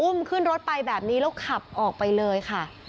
ขึ้นรถไปแบบนี้แล้วขับออกไปเลยค่ะ